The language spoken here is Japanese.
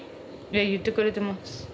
言ってくれてます。